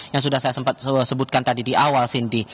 yang sudah saya sebutkan tadi di awal cindy